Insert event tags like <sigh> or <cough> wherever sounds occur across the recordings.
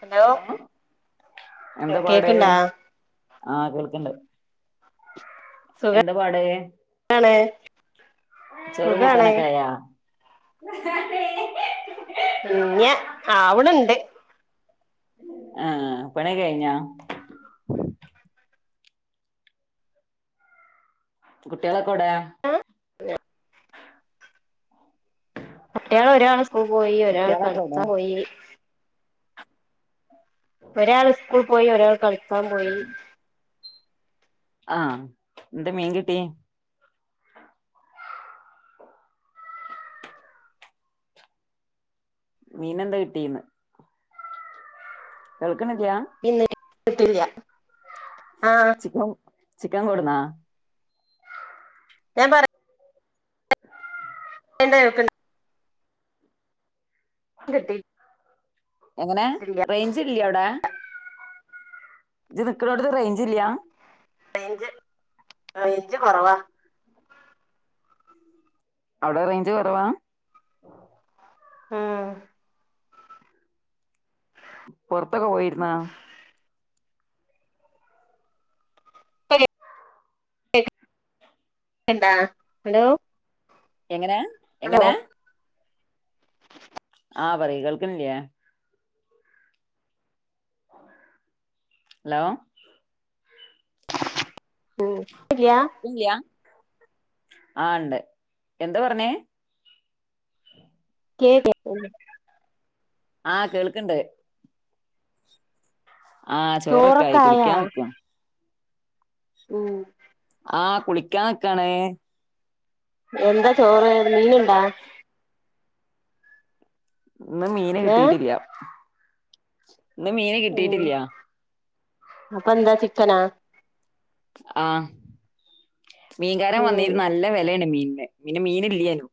Hello കേക്ണ്ടാ ആ കേൾക്ക്ണ്ട് എന്ത പാട് <unintelligible> ചോറും സുഖാണ് കൂട്ടാനൊക്കായാ <inaudible> ഇല്ല ആവ്ണ് ണ്ട് ആ പണിയൊകെ കയിഞാ കുട്ട്യാളൊക് ഒകെവുടെ <unintelligible> കുട്ട്യാളൊരാള് സ് സ്കൂള് പോയി ഒരാള് കുട്ടികളൊക്കെ എവിടെ കളിക്കാ പോയീ ഒരാള് സ്കൂൾ പോയി ഒരാൾ കളിക് കാൻ പോയീ ആ എന്തേ മീൻ കിട്ടീ മീനെന്ത കിട്ടീന്ന് <unintelligible> കേക്കണില്ല ഇത്തിയിട്ടില്ല ചിക്കൻ ചിക്കൻ കൊട്ന്നാ ഞാൻ പറ - <unintelligible> കിട്ടീ എങ്ങനെ റെയ്ഞ്ച്ല്ലിയോ അവിടെ നി നിക്കാനോടത്ത് റെയ്ഞ്ച്ല്ല റെയ്ഞ്ച് റെയ്ഞ്ച് കൊറവാ അവടെ റെയ്ഞ്ച് കൊറവാ ആഹ് പുറത്തൊക്കെ പോയിരുന്നാ <unintelligible> എന്താ ന്തോ എങ്ങനെ എങ്ങനെ ആഹ് പറയ് കേൾക്കില്ലേ അലോ <unintelligible> ഓ ഇല്ലിയാ ആ ഉണ്ട് എന്താ പറഞ്ഞേ കേ <unintelligible> ആഹ് കേൾക്ക്ണ്ട് <inaudible> ആ ചോറൊക്കായി ചോറൊക്കെ ആയാ കുളിക്കാൻ നിക്ക ഉം ആഹ് കുളിക്കാാനൊക്കാണ് എന്താ ചോറ് മീനുണ്ടാ ഇന്ന് മീന ഏഹ് കിട്ടിട്ടില്ല <unintelligible> ഇന്ന് മീന് കിട്ടിയിട്ടില്ല അപ്പ എന്താ ചിക്കനാ ആഹ് മീൻകാരൻ ഉം വന്നിരുന്നു നല്ലവെലേണ് മീൻ പിന്നെ മീന് ഇല്ല്യേനും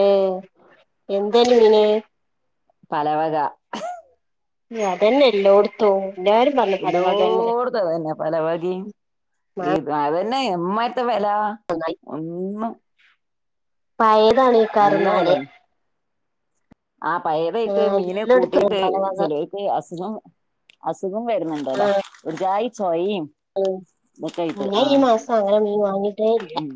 ഉം എന്തേന് മീന് പലവക ഉംഅതന്നെ എല്ലോട്ത്തും എല്ലോട്ത്തും ആ വരുന്നേ പലവഴി ഈ താ <unintelligible> ന്റെ പിന്നേയ് എവന്മാര് - എന്ത്‌വെല ഒന്നും- പയേത് <unintelligible> നല്ല ഇതാണേക്കാരംന്നാല് വിലയാണ് ആഹ് പഴേതായിട്ട് മീന് എല്ലായിടത്തും കൂട്ടിയിട്ട് പലവക ചെലോർക്ക്അസുഖം അസുഖം വരുന്നുണ്ടല്ലോ ഒരു ജാ- സ്വഹീൻ <unintelligible> ഉം ഞാൻ ഈ മാസം അങ്ങനെ മീൻ വാങ്ങിട്ടേയില്ല ഉം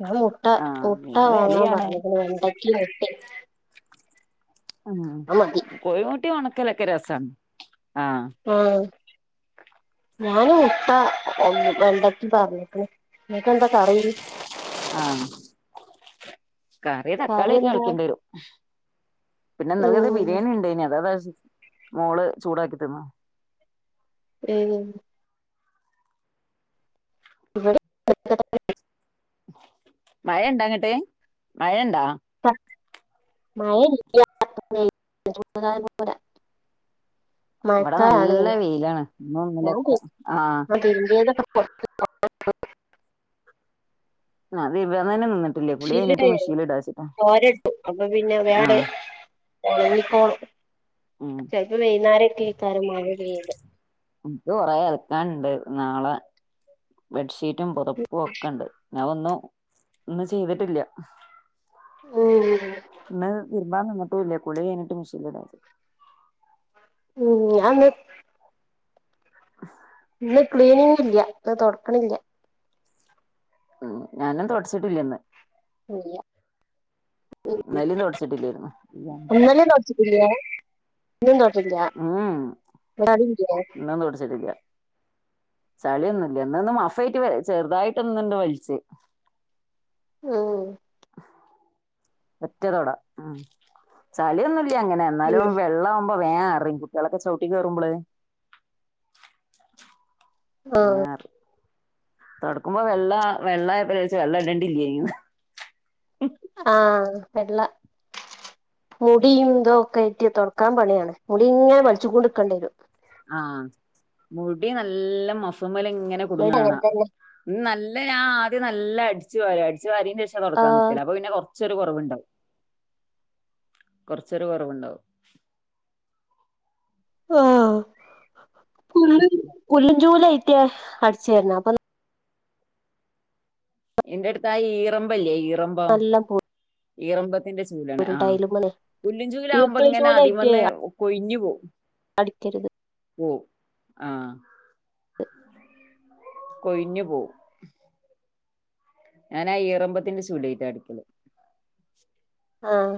ഞങ്ങള് മുട്ട ആഹ് മുട്ട മീന് വാങ്ങാൻ വിലയാണ് പറഞ്ഞേക്ക്ണ് വെണ്ട <unintelligible> ആഹ് കോഴിമൂട്ടി ഒണ ക്കലൊക്കെ രസാ ആ ഞാനും ത്ത എ വേണ്ടകിം പറഞ്ക്ക്ന്ന് ങ്ങകെന്താ കറി? ആഹ് കറി തക്കാളിയാൾക്കെണ്ട്യരു പിന്നെ ഇന്നൽകത്തെ ഉം ബിരിയാണിണ്ടായിനി അതതാ മോള് ചൂടാക്കി തിന്നു ഏഞ്ഞി <unintelligible> മഴണ്ടങ്ങട്ട് മഴണ്ടാ? തക് മഴല്യ <unintelligible> ഇവടെ നല്ല വെയിലാണ്. ഇന്നും ഞാൻ ഇന്നലൊക്കെ ആ <unintelligible> അത് വേന്നെന്നെ നിന്ന് ഷീൻല്ടാ <unintelligible> വേട് ആഹ് ഒ ൺങ്ങിക്കോളൂ ഉം ചെൽപ്പോ വൈന്നരക്കെയ്‌ക്കാരം മഴ പെയ്യല് ൻക്ക് കൊറെ അൽക്കാണ്ട് നാളെ ബെഡ്ഷീ- റ്റും പൊതപ്പും ഒക്കെണ്ട് ഞാൻ ഒന്നും ഒന്നും ചെയ്തിട്ടില്ല ഉം മ്പാ നിന്നിട്ടും ഇല്ല കുളി കഴിഞ്ഞിട്ട് മിഷീൻല്ടാന്ന് ഉം ഞാ ന്ന് ഇന്ന് ക്ലീനിങ്ങ് ഇല്ല ഇന്ന് തൊട്ക്ണില്ല ഉം ഞാനും തൊട്ച്ചിട്ടില്ലന്ന് വയ്യ ഇന്നലിം തൊട്ച്ചിട്ടില്ലേര്ന്ന് ഇന്നലേം തൊടച്ചിട്ടില്ലേ ഇന്നും <unintelligible> ഇന്നും തൊടച്ചിട്ടില്ല ചളിയൊന്നുല്ല ഇന്ന് മഫയ്ട്ട് ചെറുതായിട്ടൊന്ന്ണ്ട് വൽച്ച് ഉം ഒറ്റതൊട ഉം ചളിയൊന്നും ഇൽ ല്ലങ്ങനെ ഉം എന്നാലും വെള്ളം ഇപ്പ വേം അറിം കുട്ടിളൊക്കെ ചവിട്ടി കേറുമ്പള് ആഹ് വേം അറിം തൊടക്കുമ്പോ വെള്ള വെള്ള ആയപ്പള് വെള്ള ഇടണ്ടിലെനിന്ന് ആ വെള്ള മുടിയും തോ ഒക്കെ ആയ്റ്റ് തോടക്കാൻ പണിയാണ് മുടി ഇങ്ങെനെ വലിച്ചുകോണ്ട്ക്കണ്ടിരും ആ മുടി നല്ല മഫ്മല് ഇങ്ങ് ഇങ്ങനെ ഇവിടെ കുട്ങ്ങണ കാണ അങ്ങനെ തന്നെ ഇൻ നല്ല ന്നെ ഞാൻ ആദ്യം നല്ല അടിച്ചു വാരും അടിച്ച് വാര അടിച്ച് വാരിയേൻ്റെ ശേഷാ തൊടക്കാൻ ആഹ് നിക്കല് അപ്പോ പിന്നെ കൊറച്ച് ഒരു കുറവ് ഉണ്ടാവും കുറച്ച് ഒരു കുറവ് ഉണ്ടാവും ആഹ് പുല്ല് പുല്ലൻ ചൂലായിട്ടാ അടിച്ചുവാരുന്നെ അപ്പോ നമ്മക്ക് എൻ്റെടുത്താ ആ ഈറമ്പ് ഇല്ലേ ഈ നല്ലോം <unintelligible> ഈറൻ പുല്ല് ൻ്റെ ചൂലാണ് ആ പുല്ലിൻ ചൂലാവുമ്പോൾ ഈർക്കിലി ഇങ്ങനെ ചൂലായിട്ട് അതിന്മേൽന്ന് കൊഴിഞ്ഞു പോകും അടിക്കരുത് പോവും ആ കൊഴിഞ്ഞു പോകും ഞാനാ ഈറമ്പത്തിൻ്റെ ചൂലായിറ്റാ അടിക്കല് ആഹ്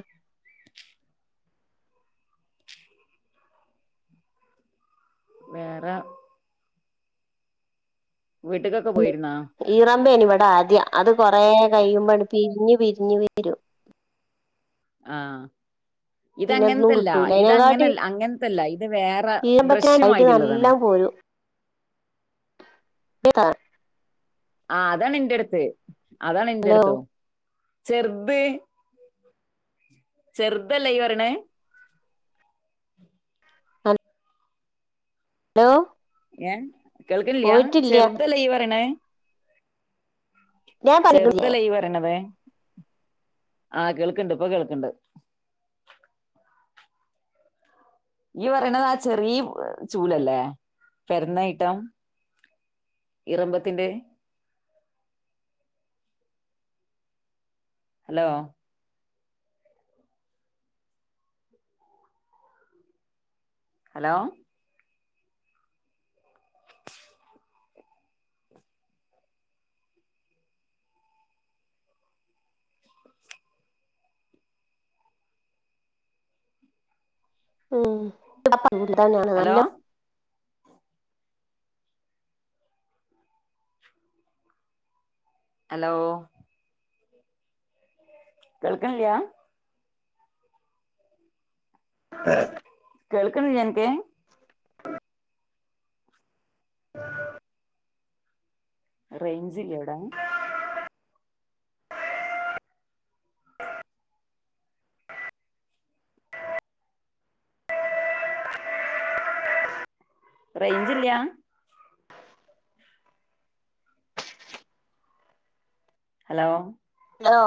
വേറെ വീട്ട്ക്കൊക്കെ പോയിരുന്നോ ഈറമ്പേന് ഇവിട ആദ്യം അത് കുറെ കഴിയുമ്പാട് പിരിഞ്ഞു പിരിഞ്ഞു വരും ആഹ് ഇത് പിന്നെ ഒന്നും അങ്ങനത്തെ അല്ല കിട്ടൂല ഇത് അങ്ങനെ അതിനെക്കാട്ടി അല്ല അങ്ങനെത്തല്ല ഇത് വേറെ ബ്രഷ് ഈറമ്പത്തിനായിട്ട് മാതിരി നല്ല ഇള്ളതാണ് പോരും <unintelligible> ആ അതാണ് എൻ്റെടുത്ത് അതാണ് എൻ്റെടുത്തും ചെറുത് ചെറുതല്ലേ ഇയ്യ് പറയണേ <unintelligible> ഹലോ ഞാൻ കേൾക്കുന്നില്ലാ പോയിട്ടില്ല ചെറുതല്ലേ ഇയ്യ് പറയണേ ഞാൻ പഠിക്കില്ലേ ചെറുതല്ലേ ഇയ്യ് പറയണത് ആഹ് കേൾക്ക്ണ്ട് ഇപ്പം കേൾക്ക്ണ്ട് ഇയ്യ്‌ പറയണത് ആ ചെറിയ ചൂലല്ലേ പെരന്ന ഐറ്റം ഇറമ്പത്തിൻ്റെ ഹലോ ഹലോ ഉം <unintelligible> ഹലോ നല്ല ഹലോ കേൾക്കണില്ലാ ആഹ് കേൾക്കുന്നില്ലാ നിനക്ക് റേഞ്ചു ഇല്ലേ അവിടെ റേഞ്ചില്ലാ ഹലോ ഹലോ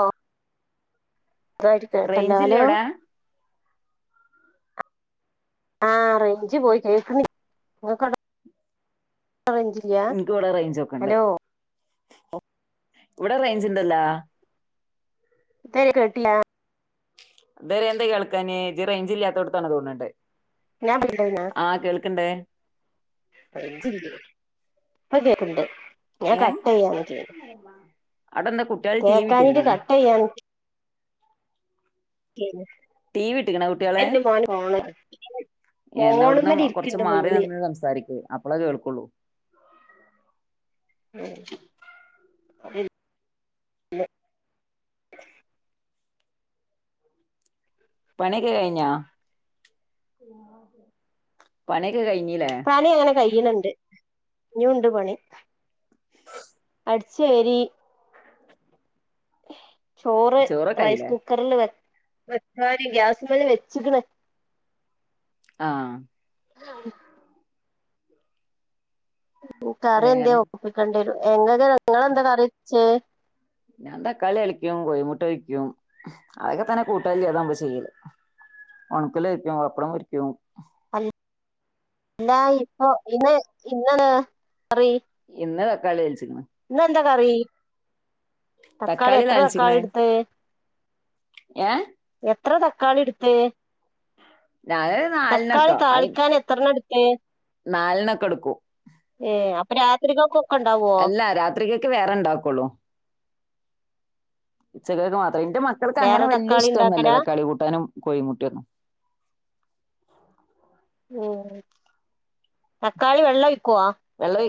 വെക്തായിട്ട് കേൾക്കുന്നില്ല റേഞ്ച് ഇല്ല ഹലോ ഇവിടെ ആഹ് റേഞ്ച് പോയി കേൾക്കുന്നില്ല നിനക്കവിടെ റേഞ്ചില്ലാ എനിക്ക് ഇവിടെ റേഞ്ച് ഒക്കെ ഉണ്ട് ഹലോ ഇവിടെ റേഞ്ചുണ്ടല്ലോ എന്താരുന്നു കേട്ടില്ല <unintelligible> എന്താ കേൾക്കാഞ്ഞേ ഇജ്ജ് റേഞ്ചില്ലാത്തെടുത്താണ് തോന്നുണ്ട് ഞാൻ പറ്റില്ല ആഹ് കേൾക്കുണ്ടെ റേഞ്ചില്ലിയോ പ്പ കേൾക്കണ്ട്‌ ഞാൻ ഏ കട്ട്‌ ചെയ്യ <unintelligible> അവിടെ എന്താ കുട്ടികൾ ടി വി കേൾക്കാനിക്ക് ഇട്ടിക്കണോ കട്ട് ചെയ്യാ ചെയ്യുന്നു ടി വി ഇട്ടിക്കണോ കുട്ടികളെ എന്റെ മോന് ഫോണ് എന്നാവിടുന്ന് ഫോണുമ്മേൽ കൊറച്ച് ഇരിക്കുന്നുണ്ട് മാറി മോന് നിന്ന് സംസാരിക്ക്‌ അപ്പളേ കേൾക്കുള്ളൂ ഉമ് <unintelligible> പണിക്കെ കഴിഞ്ഞോ പണി ക്കെ കഴിഞ്ഞില്ലേ ചെയ്യുണുണ്ട്ഇനിം ഉണ്ട് പണി അടിച്ചേരി ചോറ് ചോറൊക്കെ റൈസ് ആയില്ലേ കുക്കറില് വെ വെക്കാന്ന് ഗ്യാസ് വെച്ചിക്കണ് ആ <unintelligible> ഉ കറി എന്തേ വേറെ ഒപ്പിക്കണ്ടിവരും എന്തൊക്കെ <unintelligible> നിങ്ങളെന്താ കറിവെച്ചേ ഞാൻ തക്കാളി താളിക്കും കോഴിമുട്ട കഴിക്കും അതൊക്കെ തന്നെ കൂട്ടാനില്ലാതെ നമ്മള് ചെയ്യല് ഉണക്കല് പൊരിക്കും പപ്പടം പൊരിക്കും അ അല്ല ഇപ്പോ ഇന്ന് ഇന്ന് കറി ഇന്ന് തക്കാളി തളി ച്ചു <unintelligible> ഇന്നെന്താ കറി തക്കാളി എത്ര തക്കാളി എടുത്ത് ഏ എത്ര തക്കാളി എടുത്ത് ഞാനൊരു തക്കാളി താളിക്കാൻ എത്രണ്ണം എട ഏ നാലെണ്ണമൊക്കെ എടുക്കും പ്പ രാത്രിക്കോക്കു അല്ല രാത്രിക്കൊക്കെ വേറെ ഉണ്ടാക്കോള്ളു ഉച്ചക്കേക്ക് മാത്ര അതിന്റെ മക്കൾക്ക് അങ്ങനെ വേറെ വല്യ തക്കാളി ഇഷ്ടമൊന്നുമല്ല ഉണ്ടാക്കലാ തക്കാളി കൂട്ടാനും കോഴിമുട്ടേമൊന്നും ഉം തക്കാളി വെള്ളെഴി <unintelligible>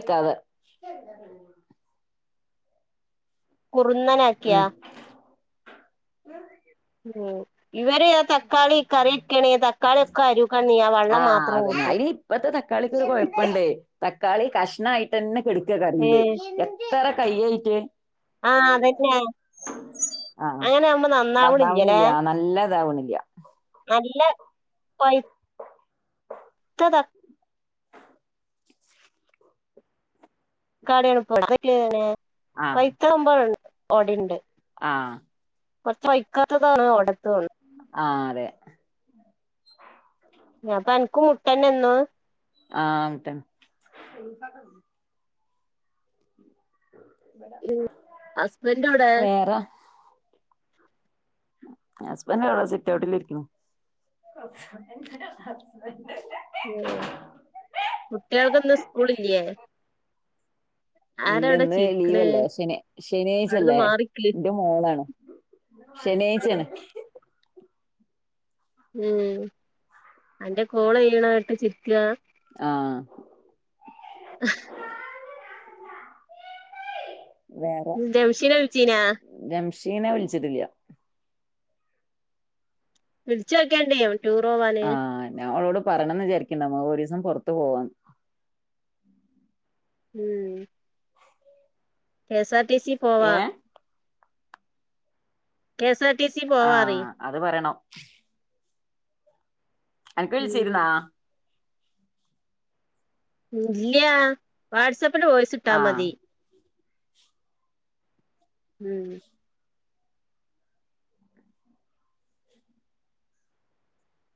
<unintelligible> കുറുന്നെനാക്കിയാ. ഉം ഉം ഇവര് ആ തക്കാളി കറി വെക്കണേ തക്കാളി ഒക്കെ അരിക്കണീ ആ വെള്ളം മാത്രം കൂട്ടും അതെന്നെ ഇപ്പത്തെ തക്കാളിക്കൊരു കൊഴപ്പണ്ട് തക്കാളി കഷ്ണായിട്ടെന്നെ ട്ക്ക കറീല് എത്തറെ.. കയ്യെയിറ്റ് ആ അതെന്നെ ആഹ് അങ്ങനാമ്പോ നന്നാവ്ണില്ല ല്ലേ <inaudible> <unintelligible> ത്തതാ <unintelligible> ആഹ് പൈത്തളമ്പഴ് ഓടിണ്ട് ആഹ് കുറച്ച് <unintelligible> ആ അതെ ഞപ്പൊ അൻക്കും മുട്ടെന്നെ ഇന്നും ആ മുട്ടെന്നെ ഉം ഹസ്ബൻ്റേടെ വേറെ ഹസ്ബൻഡ് എവിടെ സിറ്റൗ ട്ടിലിരിക്ക്ണു ഉം കുട്ടികൾക്കൊന്നും സ്കൂളില്ലേ ആരാ ഇല്ല അവിടെ ഇന്ന് ചിരിക്കണ് ലീവല്ലേ ശെനി അവിടുന്ന് ശെനിയാഴ്ച്ചല്ലേ മാറിക്കിളി ന്റെ മോളാണ് ശെനിയാഴ്ച്ചേണ് ഉം അന്റെ കോളെയ്യ്ണെട്ട് ചിരിക്കാ ആഹ് ജെംഷീന വിളിച്ചീനോ ഷീന വിളിച്ചിട്ടില്ല വിളിച്ചോക്കെണ്ടി ആ ഞാ ഓളോട് പറയണെന്ന് വിചാരിക്ക്ണ്ട് ഞമ്മക്കെക്കൊരീസ ഞാ പെർത്ത് പോവാണ് ഉം കേസാ ടി സി പോവാ ഏഹ് കേസ് ആ അത് പറയണം. അൻക്ക് ഉം <unintelligible> ഇല്ല്യ വാട്സ് അപ്പ്‌ പ്പഴും വോയ്‌സിട്ടാ ആഹ് മതി ഉം ഉം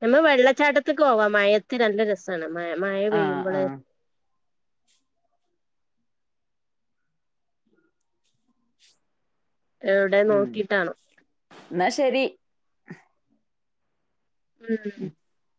എന്നാ വെള്ളച്ചാട്ടത്തേക്കു പോവാ മഴയത്ത് നല്ല രസാണ്. മയ മയ ആഹ് പെയ്യുമ്പള് ആഹ് എവിടെ നോക്കിട്ടാണോ ഇന്നാ ശരി. ഉം